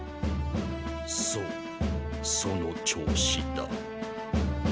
そうその調子だ。